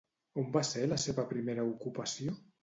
On va ser la seva primera ocupació?